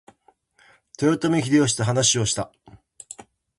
豊臣秀吉と話した。